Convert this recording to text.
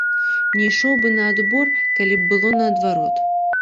Не ішоў бы на адбор, калі б было наадварот.